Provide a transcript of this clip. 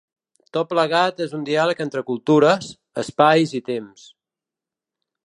Tot plegat és un diàleg entre cultures, espais i temps.